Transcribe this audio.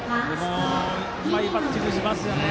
うまいバッティングしますよね。